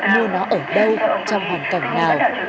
như nó ở đây trong hoàn cảnh nào